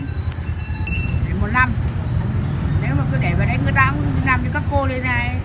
nếu mà cứ để vào đây người ta cũng làm như các cô đây này